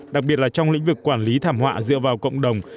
đặc biệt là trong lĩnh vực quản lý thảm họa dựa vào cộng đồng